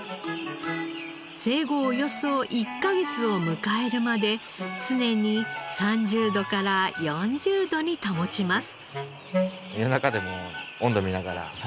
生後およそ１カ月を迎えるまで常に３０度から４０度に保ちます。